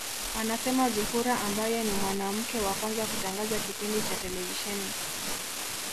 Anasema Zuhura ambaye ni mwanamke wa kwanza kutangaza kipindi cha televisheni